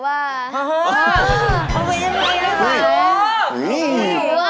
เขายังไม่เคยเต้นเลย